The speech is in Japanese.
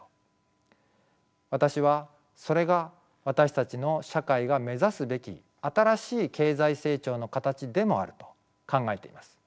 私はそれが私たちの社会が目指すべき新しい経済成長の形でもあると考えています。